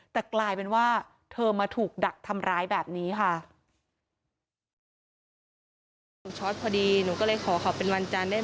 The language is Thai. แต่กลายเป็นว่าเธอมาถูกดักทำร้ายแบบนี้ค่ะ